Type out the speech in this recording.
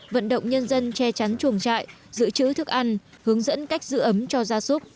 vận động nhân dân che chắn chuồng trại giữ chữ thức ăn hướng dẫn cách giữ ấm cho gia súc